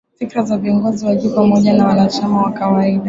Fikra za viongozi wa juu pamoja na wanachama wa kawaida